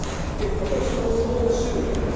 今年の総収入です。